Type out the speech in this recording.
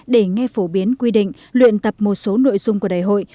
để nghe phổ biến quy định luyện tập một số nội dung của đại hội